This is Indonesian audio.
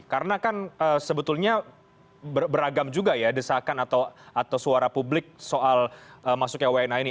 karena kan sebetulnya beragam juga ya desakan atau suara publik soal masuknya wna ini